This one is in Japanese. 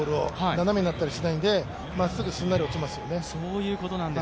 斜めになったりしないんで、まっすぐすんなり落ちますよね。